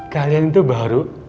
kalian itu baru